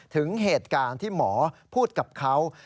ถึงเหตุการณ์ที่หมอพูดกับเขา